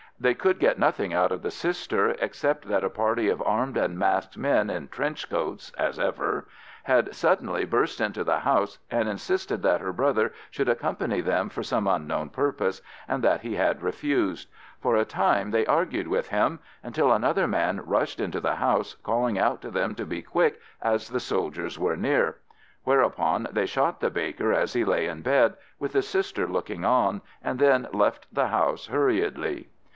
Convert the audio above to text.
They could get nothing out of the sister, except that a party of armed and masked men, in "trench coats" as ever, had suddenly burst into the house and insisted that her brother should accompany them for some unknown purpose, and that he had refused. For a time they argued with him, until another man rushed into the house, calling out to them to be quick as the soldiers were near. Whereupon they shot the baker as he lay in bed, with the sister looking on, and then left the house hurriedly.